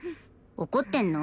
怒ってんの？